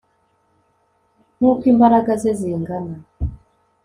nkuko imbaraga ze zingana